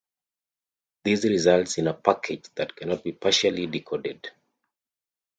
This results in a "package" that cannot be partially decoded.